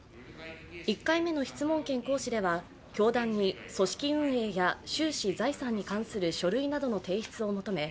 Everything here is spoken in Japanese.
１回目の質問権行使では教団に組織運営や収支・財政に関する書類などの提出を求め